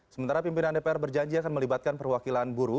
sementara pimpinan dpr berjanji akan melibatkan perwakilan buruh